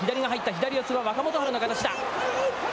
左四つは若元春の形だ。